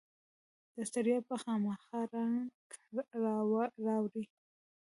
داستړیا به خامخا رنګ راوړي.